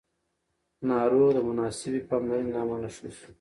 ناروغ د مناسبې پاملرنې له امله ښه شو